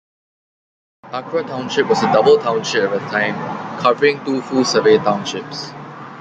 Akra Township was a "double township" at the time, covering two full survey townships.